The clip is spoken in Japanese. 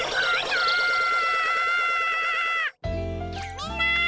みんな！